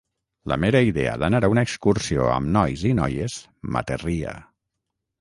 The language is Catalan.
La mera idea d'anar a una excursió amb nois i noies m'aterria.